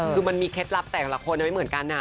คือมันมีเคล็ดลับแต่ละคนไม่เหมือนกัน